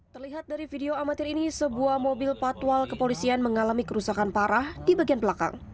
terlihat dari video amatir ini sebuah mobil patwal kepolisian mengalami kerusakan parah di bagian belakang